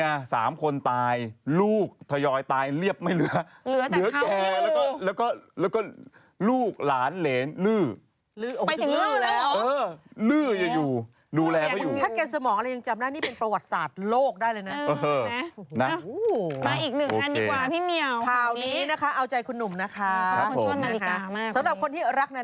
โอ้โฮแต่ว่าเมื่อวานผมเพิ่งจะดูข่าวนี้ไป